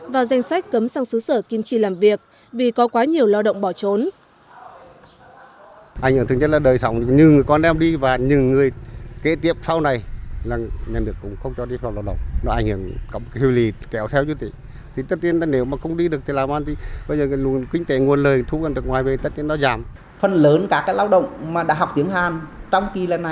vào danh sách cấm sang xứ sở kiêm trì làm việc vì có quá nhiều lao động bỏ trốn